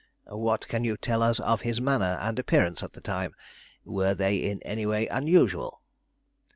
"What can you tell us of his manner and appearance at the time? Were they in any way unusual?"